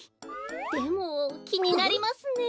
でもきになりますね。